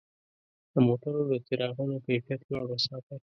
د موټرو د څراغونو کیفیت لوړ وساتئ.